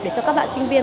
để cho các bạn sinh viên